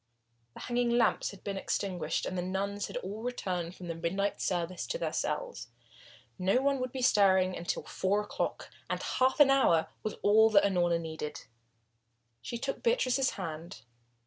The hanging lamp had been extinguished and the nuns had all returned from the midnight service to their cells. No one would be stirring now until four o'clock, and half an hour was all that Unorna needed. She took Beatrice's hand.